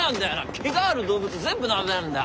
毛がある動物全部ダメなんだよ。